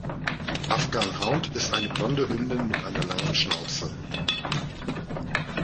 Afghan Hound ist eine blonde Hündin mit einer langen Schnauze.